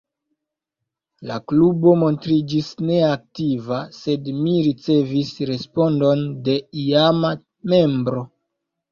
La klubo montriĝis neaktiva, sed mi ricevis respondon de iama membro.